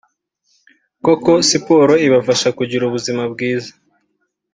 kuko siporo ibafasha kugira ubuzima bwiza